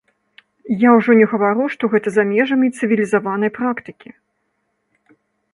Я ўжо не гавару, што гэта за межамі цывілізаванай практыкі.